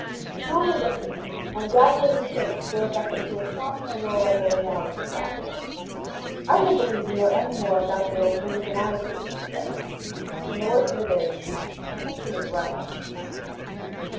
Titania looked at me and gradually her face broke up into a charming aurora borealis of laughter. "I don't believe you know any more about the old things than I do," she said. And the worst of it is, I think she was right.